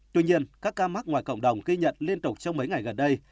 tuy nhiên các ca mắc ngoài cộng đồng ghi nhận liên tục trong mấy ngày gần đây